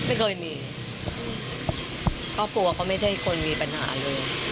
ไม่เคยมีครอบครัวเขาไม่ใช่คนมีปัญหาเลย